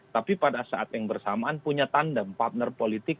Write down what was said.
tapi pada saat yang bersamaan punya tandem partner politik